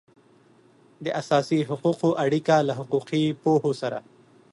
د اساسي حقوقو اړیکه له حقوقي پوهو سره